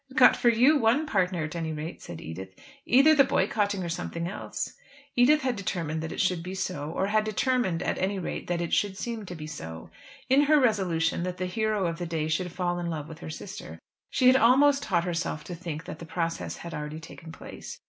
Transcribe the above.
"It got for you one partner, at any rate," said Edith, "either the boycotting or something else." Edith had determined that it should be so; or had determined at any rate that it should seem to be so. In her resolution that the hero of the day should fall in love with her sister, she had almost taught herself to think that the process had already taken place.